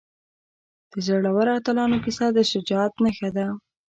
د زړورو اتلانو کیسه د شجاعت نښه ده.